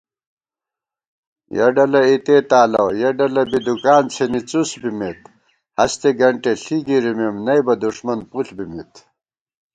یَہ ڈلہ اِتےتالہ یَہ ڈلہ بی دُکان څِھنی څُس بِمېت * ہستےگنٹېݪی گِرِمېم نئبہ دُݭمن پُݪ بِمېت